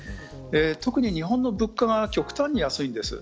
特に日本の物価が極端に安いんです。